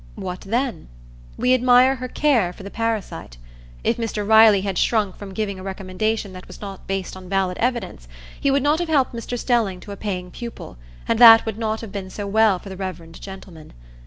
What then? We admire her care for the parasite. If Mr Riley had shrunk from giving a recommendation that was not based on valid evidence, he would not have helped Mr Stelling to a paying pupil, and that would not have been so well for the reverend gentleman.